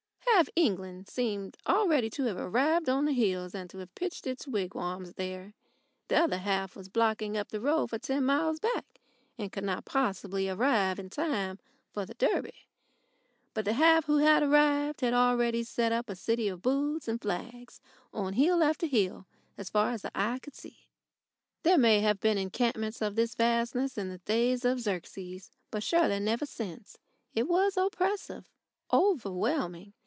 Half England seemed already to have arrived on the hills, and to have pitched its wigwams there. The other half was blocking up the road for ten miles back, and could not possibly arrive in time for the Derby; but the half who had arrived had already set up a city of booths and flags on hill after hill as far as the eye could see. There may have been encampments of this vastness in the days of Xerxes, but surely never since. It was oppressive, overwhelming.